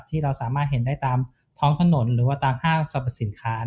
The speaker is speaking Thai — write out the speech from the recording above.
ที่เราสามารถเห็นได้ตามท้องถนนหรือว่าตามห้างสรรพสินค้า